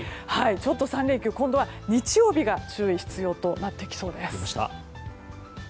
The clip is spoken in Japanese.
ちょっと３連休今度は日曜日が注意が必要となってきそうです。